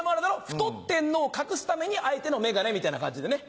太ってんのを隠すためにあえての眼鏡みたいな感じでね。